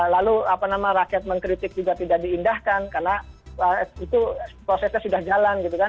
lalu rakyat mengkritik juga tidak diindahkan karena prosesnya sudah jalan